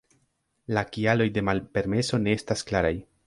La kialoj de malpermeso ne estas klaraj.